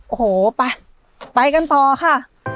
โอ้โหไปไปกันต่อค่ะ